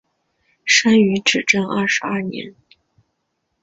生于至正二十二年。